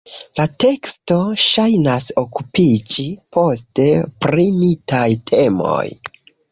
La teksto ŝajnas okupiĝi poste pri mitaj temoj.